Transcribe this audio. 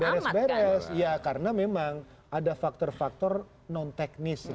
beres beres ya karena memang ada faktor faktor non teknis